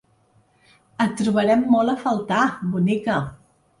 Et trobarem molt a faltar, bonica.